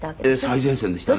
最前線でしたね。